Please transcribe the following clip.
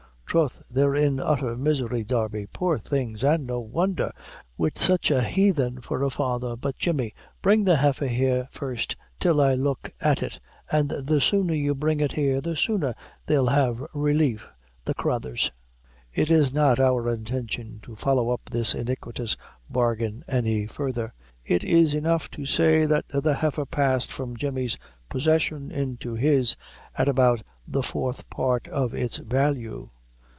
Troth they're in utther misery, Darby." "Poor things! an' no wondher, wid such a haythen of a father; but, Jemmy, bring the heifer here first till I look at it, an' the sooner you bring it here the sooner they'll have relief, the crathurs." It is not our intention to follow up this iniquitous bargain any further; it is enough to say that the heifer passed from Jemmy's possession into his, at about the fourth part of its value.